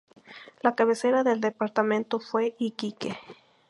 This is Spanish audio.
La cabecera del departamento fue Iquique.